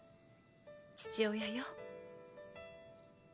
父親よ。